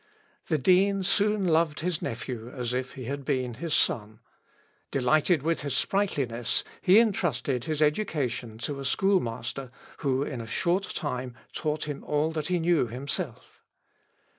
The dean soon loved his nephew as if he had been his son; delighted with his sprightliness, he entrusted his education to a schoolmaster who in a short time taught him all that he knew himself.